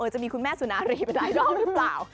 จะมีคุณแม่สุนารีไปหลายรอบหรือเปล่า